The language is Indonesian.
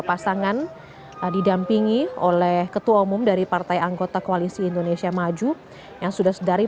pasangan didampingi oleh ketua umum dari partai anggota koalisi indonesia maju yang sudah sedari